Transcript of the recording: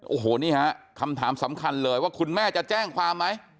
โอ้โหนี่ฮะคำถามสำคัญเลยว่าคุณแม่จะแจ้งความไหม